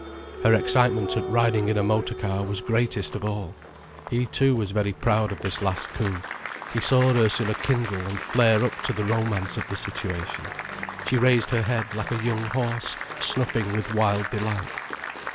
Her excitement at riding in a motor car was greatest of all. He too was very proud of this last coup. He saw Ursula kindle and flare up to the romance of the situation. She raised her head like a young horse snuffing with wild delight.